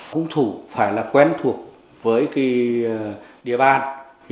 hung thủ phải là quen thuộc với cái địa bàn